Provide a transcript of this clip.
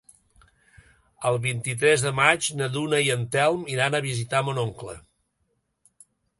El vint-i-tres de maig na Duna i en Telm iran a visitar mon oncle.